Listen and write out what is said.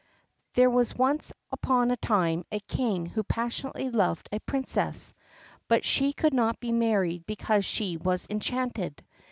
There was once upon a time a King who passionately loved a Princess, but she could not be married because she was enchanted.